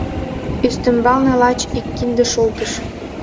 Ӱстембалне лач ик кинде шултыш